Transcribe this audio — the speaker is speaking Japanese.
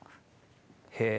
へえ。